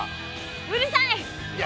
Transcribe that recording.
うるさい！